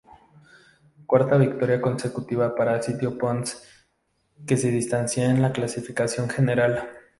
Cuarta victoria consecutiva para Sito Pons, que se distancia en la clasificación general.